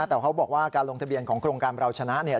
แต่เขาบอกว่าการลงทะเบียนของโครงการเราชนะเนี่ย